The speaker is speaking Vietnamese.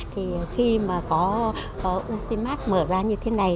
thì khi mà có ucimat mở ra như thế này